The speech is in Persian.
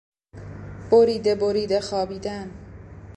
بریده بریده خوابیدن